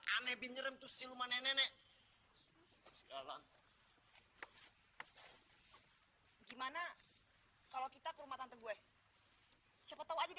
aneh aneh binyerem tuh siluman nenek sekarang gimana kalau kita kurma tante gue siapa tahu aja